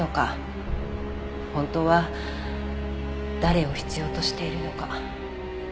本当は誰を必要としているのか。